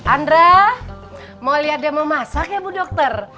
andra mau lihat dia mau masak ya bu dokter